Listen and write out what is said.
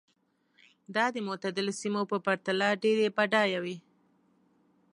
دا د معتدلو سیمو په پرتله ډېرې بډایه وې.